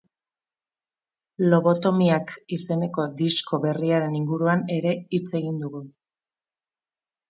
Lobotomiak izeneko disko berriaren inguruan ere hitz egin dugu.